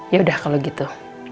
yaudah kalau gitu